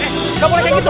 gak boleh kayak gitu